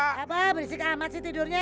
apa berisik amat sih tidurnya